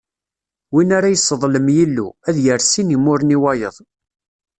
Win ara yesseḍlem Yillu, ad yerr sin n imuren i wayeḍ.